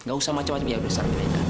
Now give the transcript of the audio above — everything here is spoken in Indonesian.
gak usah macem macem yaudah